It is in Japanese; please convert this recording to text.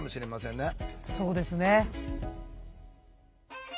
そうですね。